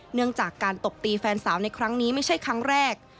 เนื่องจากการตบตีแฟนสาวในครั้งนี้ไม่ใช่ครั้งแรก